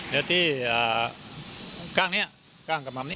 แล้วที่อ่าข้างเนี่ยข้างกระม่ำนี้